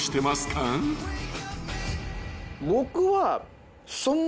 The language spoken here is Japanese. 僕は。